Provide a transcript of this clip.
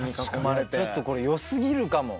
ちょっとこれよ過ぎるかも。